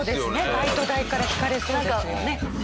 バイト代から引かれそうですよね。